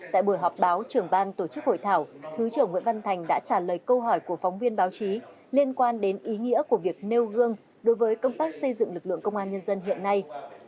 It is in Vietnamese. tại buổi họp báo trưởng ban tổ chức hội thảo thứ trưởng nguyễn văn thành đã trả lời câu hỏi của phóng viên báo chí liên quan đến ý nghĩa của việc nêu gương đối với công tác xây dựng lực lượng công an nhân dân hiện nay